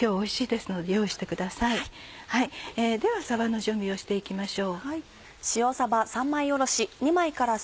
ではさばの準備をして行きましょう。